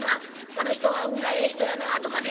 「あの人は運がええ人やなぁ」とかね